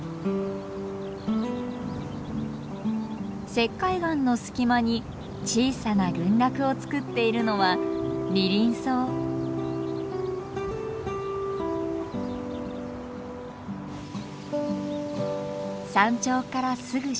石灰岩の隙間に小さな群落をつくっているのは山頂からすぐ下。